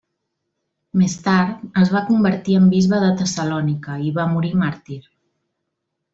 Més tard es va convertir en bisbe de Tessalònica i va morir màrtir.